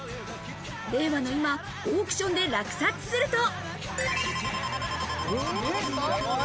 令和の今、オークションで落札すると。